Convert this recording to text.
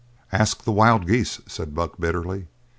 "Ask the wild geese," said Buck bitterly.